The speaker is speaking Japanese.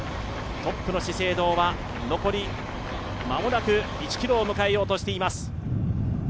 トップの資生堂は残り、間もなく１ｋｍを迎えようとしています。